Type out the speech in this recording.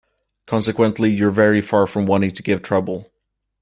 Consequently you're very far from wanting to give trouble.